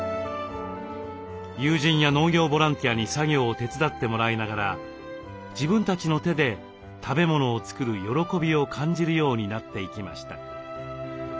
友人や農業ボランティアに作業を手伝ってもらいながら自分たちの手で食べ物を作る喜びを感じるようになっていきました。